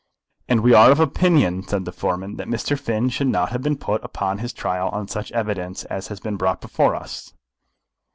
"And we are of opinion," said the foreman, "that Mr. Finn should not have been put upon his trial on such evidence as has been brought before us."